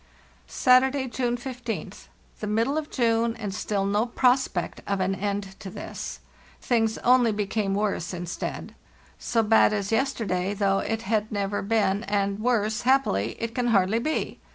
"Saturday, June 15th. The middle of June, and still no prospect of an end to this; things only became worse instead. So bad as yesterday, though, it had never been, and worse, happily, it can hardly be.